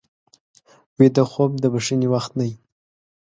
ویده خوب د بښنې وخت دی